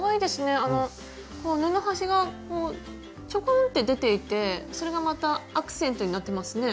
あの布端がちょこんって出ていてそれがまたアクセントになってますね。